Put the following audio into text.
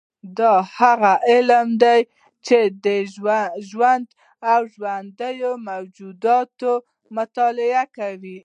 دا هغه علم دی چې د ژوند او ژوندیو موجوداتو مطالعه کوي